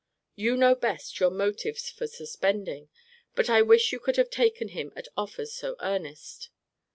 You know best your motives for suspending: but I wish you could have taken him at offers so earnest.